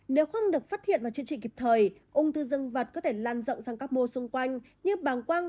nếu không được phát hiện và triển trị kịp thời ung thư dân vật có thể lan rộng sang các mô xung quanh như bàng quang